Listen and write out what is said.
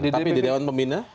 di dpp clear tapi di dewan pembina